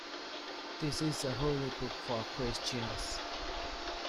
This is a holy book for Christians.